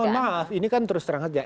nah mohon maaf ini kan terus terang saja